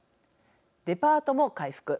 デパートも回復。